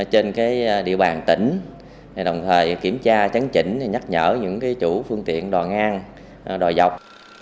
trên địa bàn tỉnh đồng thời kiểm tra chấn chỉnh nhắc nhở những chủ phương tiện đò ngang đòi dọc